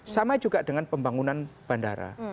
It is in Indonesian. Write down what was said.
sama juga dengan pembangunan bandara